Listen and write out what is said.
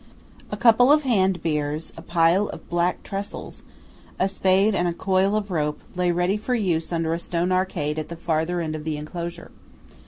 A couple of hand biers, a pile of black tressels, a spade and a coil of rope, lay ready for use under a stone arcade at the farther end of the enclosure.